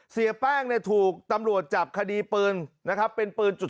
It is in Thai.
เสียแป้งถูกตำรวจจับคดีปืนนะครับเป็นปืนจุด๓๘